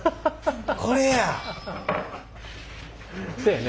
これや！